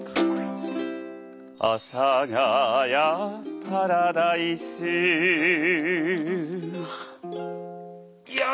「阿佐ヶ谷パラダイス」よぉ！